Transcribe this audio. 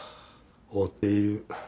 追っている。